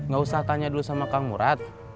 gak usah tanya dulu sama kang murad